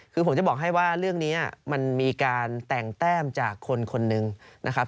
คือผมจะบอกให้ว่าเรื่องนี้มันมีการแต่งแต้มจากคนคนหนึ่งนะครับ